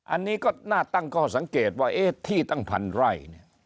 อันนี้หน้าตั้งก็สังเกตว่าเอ๊ะที่ตั้ง๑๐๐๐ไร่